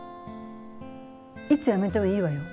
いつ辞めてもいいわよ。